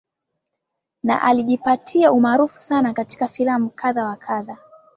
na alijipatia umaarufu sana katika filamu kadha wa kadha